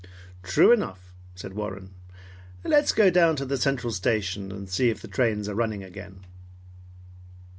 "True enough," said Warren. "Let's go down to the central station and see if the trains are running again."